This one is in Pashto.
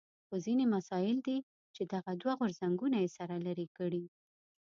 خو ځینې مسایل دي چې دغه دوه غورځنګونه یې سره لرې کړي.